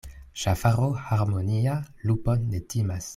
Ŝafaro harmonia lupon ne timas.